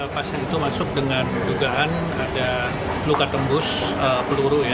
pasien itu masuk dengan dugaan ada luka tembus peluru ya